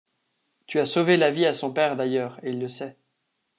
Tu as sauvé la vie à son père d’ailleurs, et il le sait.